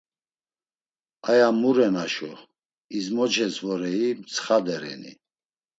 Aya muren aşo; izmoces vorei, mtsxade reni?